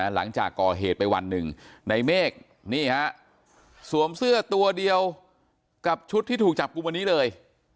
หลังจากก่อเหตุไปวันหนึ่งในเมฆนี่ฮะสวมเสื้อตัวเดียวกับชุดที่ถูกจับกลุ่มวันนี้เลย